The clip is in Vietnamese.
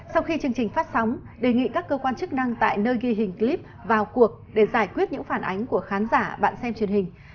sau khi chương trình phát sóng đề nghị các cơ quan chức năng tại nơi ghi hình clip vào cuộc để giải quyết những phản ánh của khán giả bạn xem truyền hình